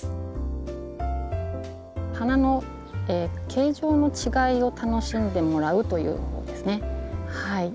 花の形状の違いを楽しんでもらうというものですね。